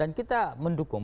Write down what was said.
dan kita mendukung